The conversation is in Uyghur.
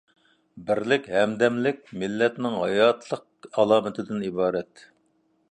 بىرلىك، ھەمدەملىك — مىللەتنىڭ ھاياتلىق ئالامىتىدىن ئىبارەت.